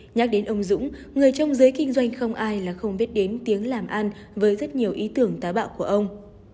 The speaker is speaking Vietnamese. nhắc đến ông dũng người trong giới kinh doanh không ai là không biết đến tiếng làm ăn với rất nhiều ý tưởng tá bạo của ông